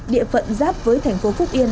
địa phận giáp với thành phố phúc yên